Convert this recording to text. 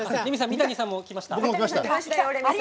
三谷さんもきました。